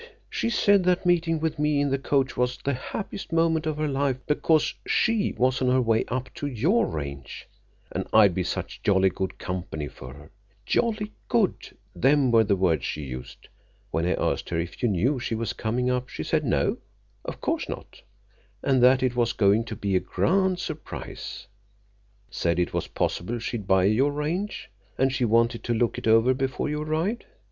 She said that meeting with me in the coach was the happiest moment of her life, because she was on her way up to your range, and I'd be such jolly good company for her. 'Jolly good'—them were the words she used! When I asked her if you knew she was coming up, she said no, of course not, and that it was going to be a grand surprise. Said it was possible she'd buy your range, and she wanted to look it over before you arrived.